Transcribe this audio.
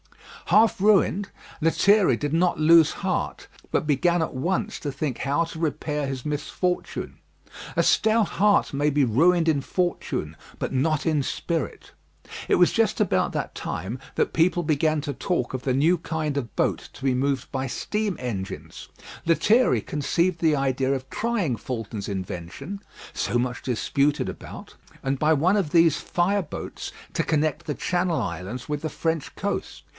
Half ruined, Lethierry did not lose heart, but began at once to think how to repair his misfortune. A stout heart may be ruined in fortune, but not in spirit. It was just about that time that people began to talk of the new kind of boat to be moved by steam engines. Lethierry conceived the idea of trying Fulton's invention, so much disputed about; and by one of these fire boats to connect the Channel Islands with the French coast.